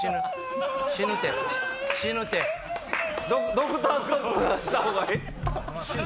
ドクターストップ出したほうがええ。